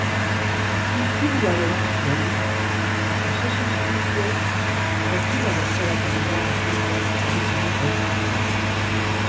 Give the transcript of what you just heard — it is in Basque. Istiluaren ostean, osasun zerbitzuek tokira bertaratu dira agenteak zauriturik baitzeuden.